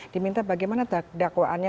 diminta bagaimana dakwaannya